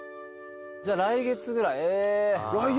じゃあ来月ぐらい。